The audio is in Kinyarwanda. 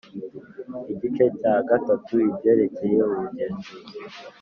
Igice cya gatatu ibyerekeye Ubugenzuzi